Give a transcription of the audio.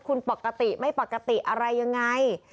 คุณปกติไม่ปกติอะไรยังไง